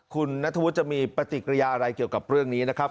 คุณนัทธวุฒิจะมีปฏิกิริยาอะไรเกี่ยวกับเรื่องนี้นะครับ